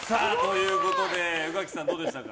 宇垣さんどうでしたか？